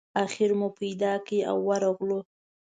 آخر مو پیدا کړ او ورغلو.